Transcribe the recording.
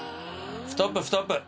ストップストップ！